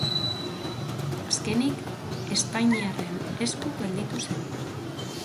Azkenik espainiarren esku gelditu zen.